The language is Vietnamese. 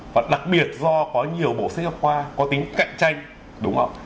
và đặc biệt do có nhiều bộ sách giáo khoa có tính cạnh tranh đúng không